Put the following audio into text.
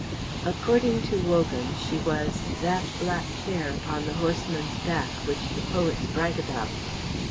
According to Wogan, she was "that black care upon the horseman's back which the poets write about."